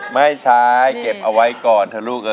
ไม่ใช้เก็บเอาไว้ก่อน